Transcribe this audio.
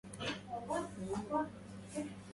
أستغفر الله من ذنبي ومن خطئي